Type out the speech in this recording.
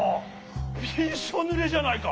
びしょぬれじゃないか。